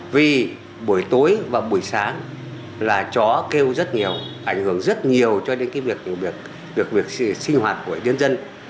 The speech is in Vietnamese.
vì buổi tối và buổi sáng là chó kêu rất nhiều ảnh hưởng rất nhiều cho đến cái việc được việc sinh hoạt của nhân dân